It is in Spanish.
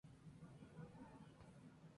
Son escarabajos terrestres.